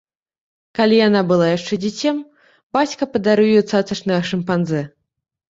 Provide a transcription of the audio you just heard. Калі яна была яшчэ дзіцем, бацька падарыў ёй цацачнага шымпанзэ.